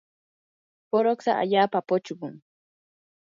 puruksa allaapa puchqun.